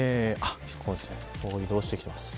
移動してきてます。